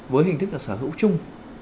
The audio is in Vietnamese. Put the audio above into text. với hình thức là sở hữu chung